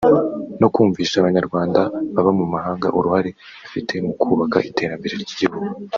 no kumvisha Abanyarwanda baba mu mahanga uruhare bafite mu kubaka iterambere ry’igihugu